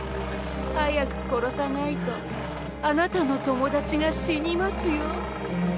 早く殺さないとあなたの友達が死にますよ。